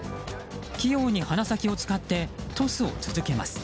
器用に鼻先を使ってトスを続けます。